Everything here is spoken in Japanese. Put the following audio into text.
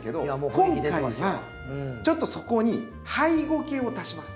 今回はちょっとそこにハイゴケを足します。